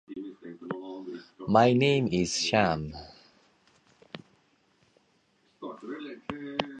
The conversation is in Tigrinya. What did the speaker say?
እቲ ጐይታ፡ ኣብ ልዕሊ ግዙኣቱ ምሉእ ስልጣን ኣለዎ።